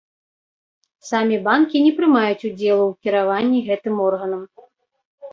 Самі банкі не прымаюць удзелу ў кіраванні гэтым органам.